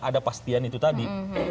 ada pastian itu tadi